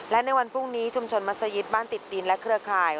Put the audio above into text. และในวันพรุ่งนี้ชุมชนมัศยิตบ้านติดดินและเครือข่าย